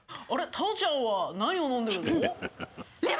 太鳳ちゃんは何を飲んでるの？